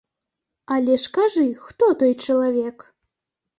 Але ж кажы, хто той чалавек?